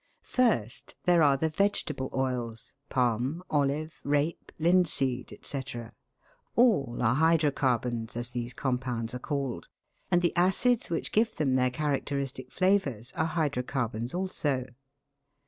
First there are the vegetable oils, palm, olive, rape, lin seed, &c. All are hydro carbons, as these compounds are called, and the acids which give them their characteristic flavours are hydro carbons also.